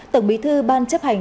tổng bí thư ban chấp hành